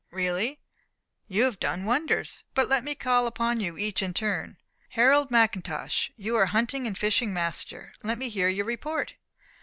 "Really, you have done wonders! But let me call upon you each in turn. Harold McIntosh, you are hunting and fishing master. Let me hear your report."